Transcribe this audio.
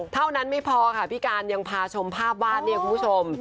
เท่านั้นไม่พอค่ะพี่การยังพาชมภาพวาดเนี่ยคุณผู้ชม